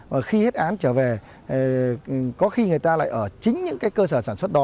và khi hết án trở về có khi người ta lại ở chính những cái cơ sở sản xuất đó